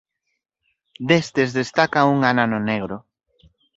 Destes destaca un anano negro.